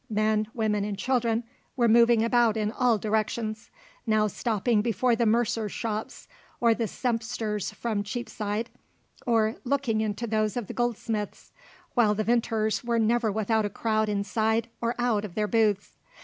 Men, women, and children were moving about in all directions; now stopping before the mercers' shops, or the sempsters from Cheapside, or looking into those of the goldsmiths: while the vintners were never without a crowd inside or out of their booths.